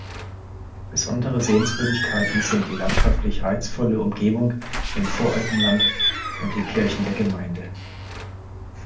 Besondere Sehenswürdigkeiten sind die landschaftlich reizvolle Umgebung im Voralpenland und die Kirchen der Gemeinde.